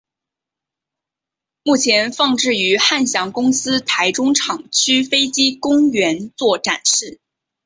目前放置于汉翔公司台中厂区飞机公园做展示。